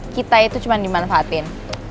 kita itu cuman dimanfaatin